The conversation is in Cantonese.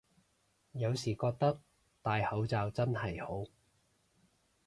有時覺得戴口罩真係好